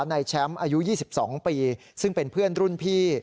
ในแชมป์อายุ๒๒ปีซึ่งเป็นเพื่อนรุ่นพี่